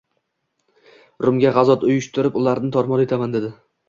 Rumga g‘azot uyushtirib, ularni tor-mor etaman”, dedi